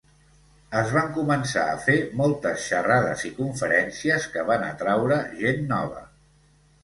Es van començar a fer moltes xerrades i conferències que van atraure gent nova.